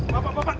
pak pak pak